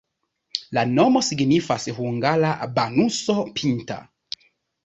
La nomo signifas hungara-banuso-pinta.